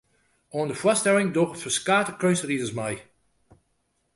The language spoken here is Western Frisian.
Oan de foarstelling dogge ferskate keunstriders mei.